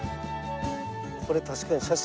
これ確かに写真。